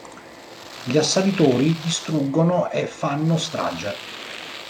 Gli assalitori distruggono e fanno strage.